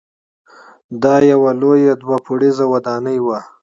دا یوه لویه دوه پوړیزه ودانۍ وه.